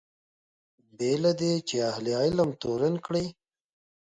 بې له دې چې اهل علم تورن کړي.